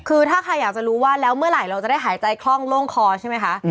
คือถ้าใครอยากจะรู้ว่าแล้วเมื่อไหร่เราจะได้หายใจคล่องโล่งคอใช่ไหมคะ